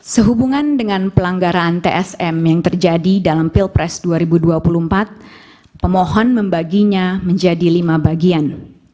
sehubungan dengan pelanggaran tsm yang terjadi dalam pilpres dua ribu dua puluh empat pemohon membaginya menjadi lima bagian